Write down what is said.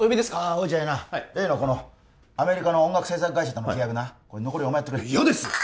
落合な例のこのアメリカの音楽製作会社との契約な残りお前やってくれ嫌です